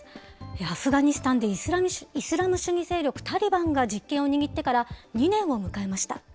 アフガニスタンでイスラム主義勢力タリバンが実権を握ってから２年を迎えました。